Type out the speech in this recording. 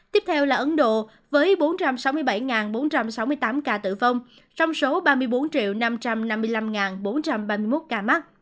tiếp theo là ấn độ với bốn trăm sáu mươi bảy bốn trăm sáu mươi tám ca tử vong trong số ba mươi bốn năm trăm năm mươi năm bốn trăm ba mươi một ca mắc